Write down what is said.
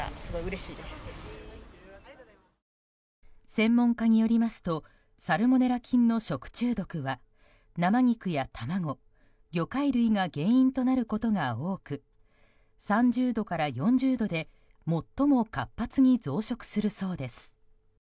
専門家によりますとサルモネラ菌の食中毒は生肉や卵、魚介類が原因となることが多く３０度から４０度で最も活発に増殖するそうです。